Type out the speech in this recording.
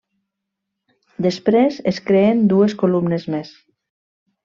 Després, es creen dues columnes més.